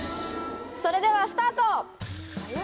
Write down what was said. それではスタート！